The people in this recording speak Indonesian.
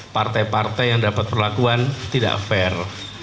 partai partai yang dapat perlakuan tidak fair